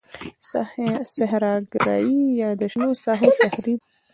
صحرا ګرایی یا د شنو ساحو تخریب.